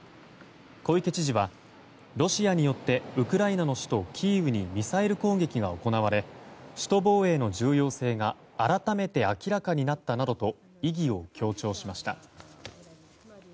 小池知事はロシアによってウクライナの首都キーウにミサイル攻撃が行われ首都防衛の重要性が改めて明らかになったなどと意義を強調しました。